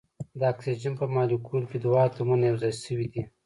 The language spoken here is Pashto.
د اکسیجن په مالیکول کې دوه اتومونه یو ځای شوي دي.